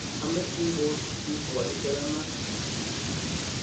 ¿Ampe jimposï ísï warhiperanhakʼi?